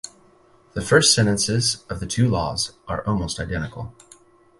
The first sentences of the two laws are almost identical.